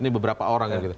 ini beberapa orang